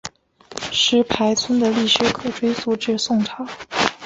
石牌村的历史可追溯至宋朝。